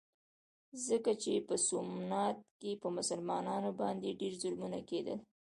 ځکه چې په سومنات کې په مسلمانانو باندې ډېر ظلمونه کېدل.